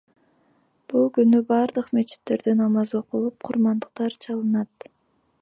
Бул күнү бардык мечиттерде намаз окулуп, курмандыктар чалынат.